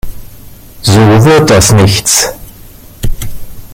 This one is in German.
So wird das nichts.